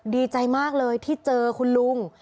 ดีใจมากเลยที่เจอคุณลุง